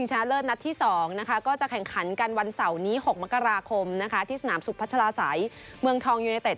เมื่อกาคมที่สนามสุขพัชราสัยเมืองทองยูเนเงเต็ด